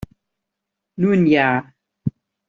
Nun ja.